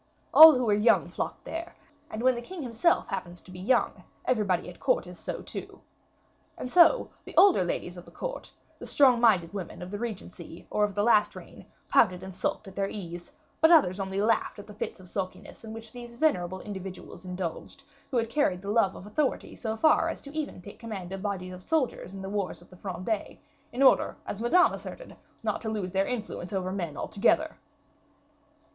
All who were young flocked there, and when the king himself happens to be young, everybody at court is so too. And so, the older ladies of the court, the strong minded women of the regency, or of the last reign, pouted and sulked at their ease; but others only laughed at the fits of sulkiness in which these venerable individuals indulged, who had carried the love of authority so far as even to take command of bodies of soldiers in the wars of the Fronde, in order, as Madame asserted, not to lose their influence over men altogether.